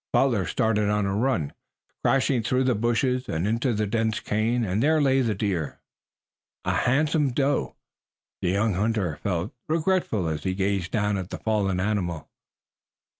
Butler started on a run, crashing through the bushes and into the dense cane, and there lay the deer, a handsome doe. The young hunter felt regretful as he gazed down at the fallen animal.